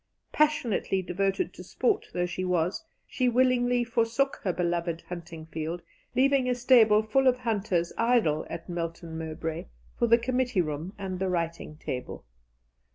Passionately devoted to sport though she was, she willingly forsook her beloved hunting field, leaving a stable full of hunters idle at Melton Mowbray, for the committee room and the writing table.